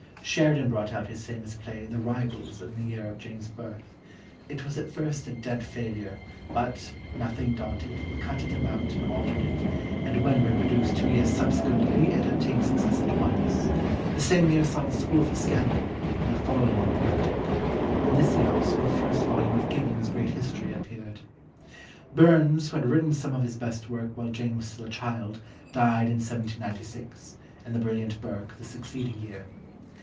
Sheridan brought out his famous play The Rivals in the year of Jane's birth; it was at first a dead failure, but, nothing daunted, he cut it about and altered it, and when reproduced two years subsequently it attained success at once. The same year saw The School for Scandal, and the following one The Critic. In this year also the first volume of Gibbon's great History appeared. Burns, who had written some of his best work while Jane was still a child, died in 1796, and the brilliant Burke the succeeding year.